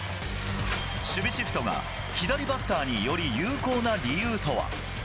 守備シフトが左バッターにより有効な理由とは。